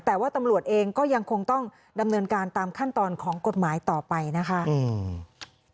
แต่ว่าตำรวจเองก็ยังคงต้องดำเนินการตามขั้นตอนของกฎหมายต่อไปนะคะอืม